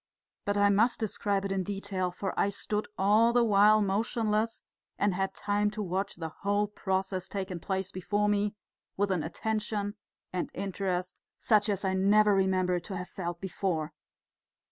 But I must describe it in detail, for I stood all the while motionless, and had time to watch the whole process taking place before me with an attention and interest such as I never remember to have felt before.